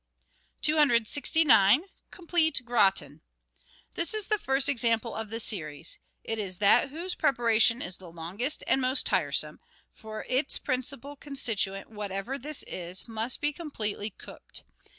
269— COMPLETE GRATIN This is the first example of the series ; it is that whose pre paration is longest and most tiresome; for its principal con stituent, whatever this is, must be completely cooked.